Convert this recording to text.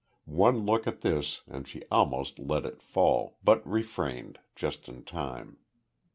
One look at this, and she almost let it fall, but refrained, just in time.